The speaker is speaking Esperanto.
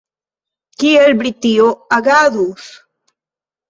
Kiel Britio agadus?